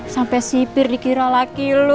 sampai sipir dikira laki lu